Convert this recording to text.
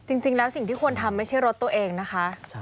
จริงแล้วสิ่งที่คนทำไม่ใช่รถตัวเองนะคะ